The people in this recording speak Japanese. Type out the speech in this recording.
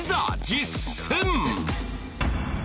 実践！